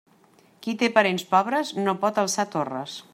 Qui té parents pobres no pot alçar torres.